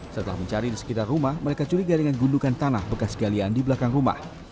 setelah mencari di sekitar rumah mereka curiga dengan gundukan tanah bekas galian di belakang rumah